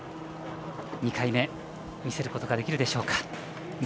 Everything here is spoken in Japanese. ２回目、見せることができるでしょうか。